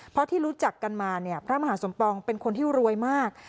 เพราะที่รู้จักกันมาเนี่ยพระมหาสมปองเป็นคนที่รวยมาก